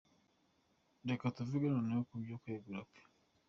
Reka tuvuge noneho ku byo kwegura kwe.